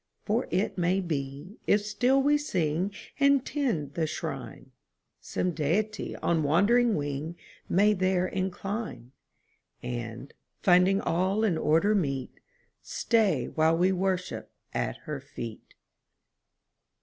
"For it may be, if still we sing And tend the Shrine, Some Deity on wandering wing May there incline; And, finding all in order meet, Stay while we worship at Her feet."